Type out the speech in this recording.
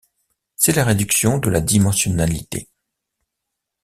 C'est la réduction de la dimensionnalité.